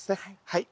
はい。